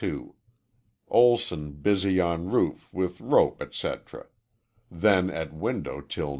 Olson busy on roof, with rope, etc. Then at window till 9.